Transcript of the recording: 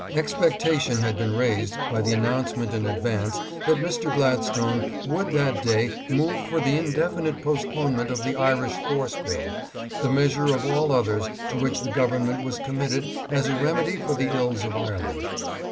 Expectation had been raised by the announcement in advance that Mr. Gladstone would that day move for the indefinite post ponement of the Irish Force Bill, the measure of all others to which the Government was committed as a remedy for the ills of Ireland.